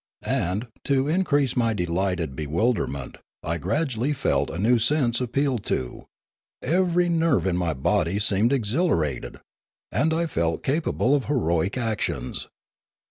And, to increase my delighted bewilder ment, I gradually felt a new sense appealed to; every nerve in my body seemed exhilarated, and I felt capable of heroic actions.